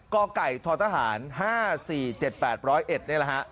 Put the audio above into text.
กไก่ททหาร๕๔๗๘๐๑นี่แหละฮะ